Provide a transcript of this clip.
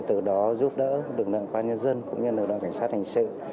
từ đó giúp đỡ lực lượng quan nhân dân cũng như lực lượng cảnh sát hành sự